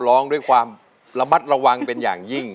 ร้องด้วยความระมัดระวังเป็นอย่างยิ่ง